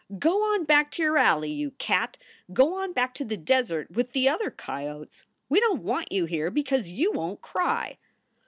Go on back to your alley, you cat. Go on back to the desert with the other coyotes. We don t want you here, because you won t cry."